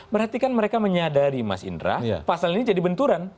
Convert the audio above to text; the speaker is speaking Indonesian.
berarti kan mereka menyadari mas indra pasal ini jadi benturan